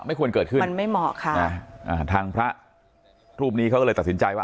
ควรเกิดขึ้นมันไม่เหมาะค่ะนะอ่าทางพระรูปนี้เขาก็เลยตัดสินใจว่า